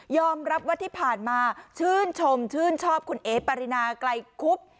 รับว่าที่ผ่านมาชื่นชมชื่นชอบคุณเอ๋ปรินาไกลคุบ